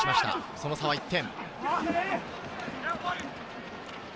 その差は１点。